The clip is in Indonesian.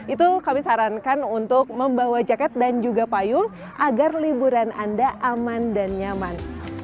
itu kami sarankan untuk membawa jaket dan juga payung agar liburan anda aman dan nyaman